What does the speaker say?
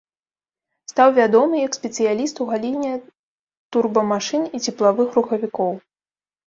Стаў вядомы як спецыяліст у галіне турбамашын і цеплавых рухавікоў.